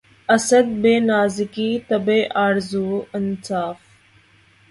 اسد! بہ نازکیِ طبعِ آرزو انصاف